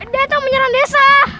datang menyerang desa